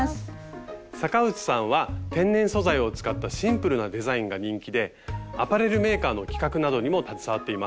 坂内さんは天然素材を使ったシンプルなデザインが人気でアパレルメーカーの企画などにも携わっています。